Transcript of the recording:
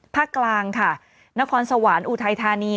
กลางค่ะนครสวรรค์อุทัยธานี